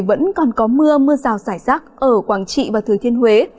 vẫn còn có mưa mưa rào rải rác ở quảng trị và thừa thiên huế